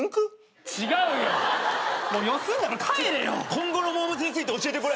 今後のモー娘。について教えてくれ。